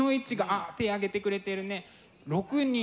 あっ手挙げてくれてるね。